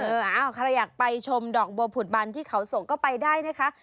ใครอยากไปชมดอกบัวผุดบันที่เขาส่งก็ไปได้นะคะ